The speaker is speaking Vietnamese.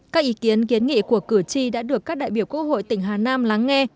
các ý kiến kiến nghị của cử tri đã được các đại biểu quốc hội tỉnh hà nam lắng nghe